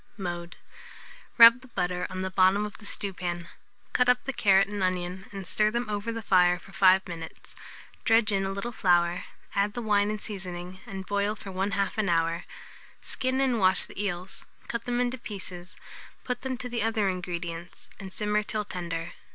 Mode. Rub the butter on the bottom of the stewpan; cut up the carrot and onion, and stir them over the fire for 5 minutes; dredge in a little flour, add the wine and seasoning, and boil for 1/2 an hour. Skin and wash the eels, cut them into pieces, put them to the other ingredients, and simmer till tender.